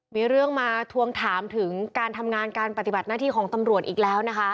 มีเรื่องมาทวงถามถึงการทำงานการปฏิบัติหน้าที่ของตำรวจอีกแล้วนะคะ